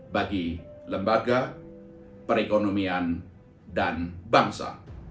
bagi lembaga perekonomian dan bangsa